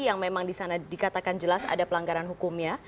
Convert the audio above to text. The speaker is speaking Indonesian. yang memang di sana dikatakan jelas ada pelanggaran hukumnya